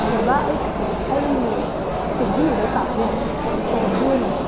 สำหรับว่าสิ่งที่อยู่ในตัวประสิทธิ์ก็เป็นตัวของดุล